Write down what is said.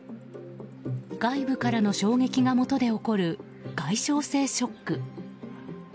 外部からの衝撃がもとで起こる外傷性ショック。